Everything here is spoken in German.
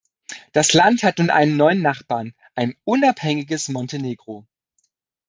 Das Land hat nun einen neuen Nachbarn, ein unabhängiges Montenegro.